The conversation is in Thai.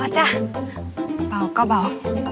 อ๋อจ๊ะเบาก็เบา